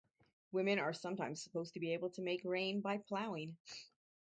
Women are sometimes supposed to be able to make rain by ploughing.